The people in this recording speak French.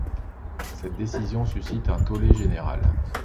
Cette décision suscite un tollé général.